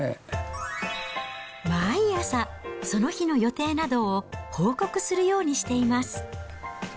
毎朝、その日の予定などを報告するようにしています。